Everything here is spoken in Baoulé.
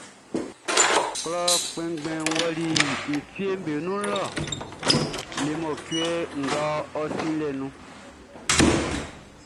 Klɔ kpɛnngbɛnʼn ɔli e fieʼm be nun le mɔcuɛ ngʼɔ sinnin lɛʼn nun.